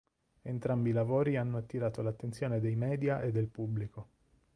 Entrambi i lavori hanno attirato l'attenzione dei media e del pubblico.